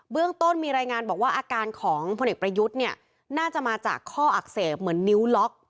เรื่องต้นมีรายงานบอกว่าอาการของพลเอกประยุทธ์เนี่ยน่าจะมาจากข้ออักเสบเหมือนนิ้วล็อก